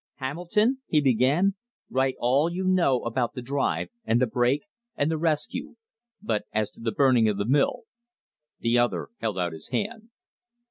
"Hamilton," he began, "write all you know about the drive, and the break, and the rescue, but as to the burning of the mill " The other held out his hand.